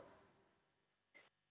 iya ini angka yang kita kumpulkan